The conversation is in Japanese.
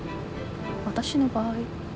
私の場合？